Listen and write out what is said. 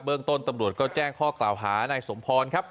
เบื้องต้นตำรวจก็แจ้งข้อกล่าวหาในสมพรครับ